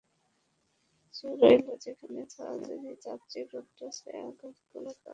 চেয়ে রইল যেখানে ছড়াছড়ি যাচ্ছে রৌদ্র ছায়া গাছগুলোর তলায় তলায়।